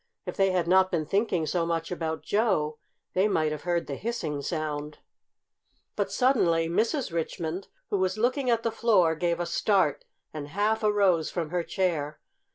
If they had not been thinking so much about Joe they might have heard the hissing sound. But suddenly Mrs. Richmond, who was looking at the floor, gave a start, and half arose from her chair.